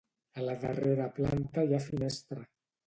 A la darrera planta hi ha finestra.